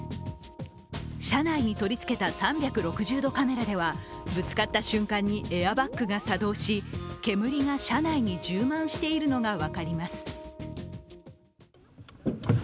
車内に取りつけた３６０度カメラではぶつかった瞬間にエアバックが作動し、煙が車内に充満しているのが分かります。